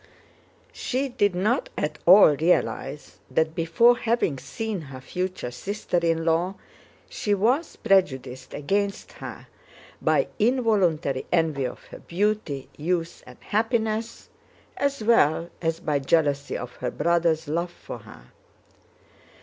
She did not at all realize that before having seen her future sister in law she was prejudiced against her by involuntary envy of her beauty, youth, and happiness, as well as by jealousy of her brother's love for her.